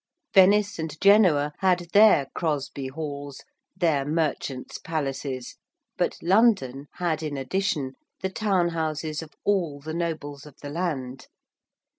Venice and Genoa had their Crosby Halls their merchants' palaces; but London had in addition, the town houses of all the nobles of the land.